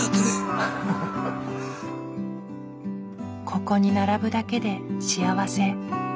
ここに並ぶだけで幸せ。